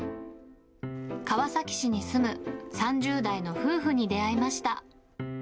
川崎市に住む３０代の夫婦に出会いました。